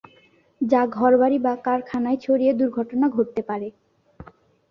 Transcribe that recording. যা ঘর বাড়ি বা কারখানায় ছড়িয়ে দুর্ঘটনা ঘটাতে পারে।